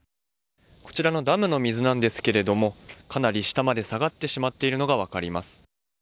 こちらのダムの水ですがかなり下まで下がってしまっているのが分かります。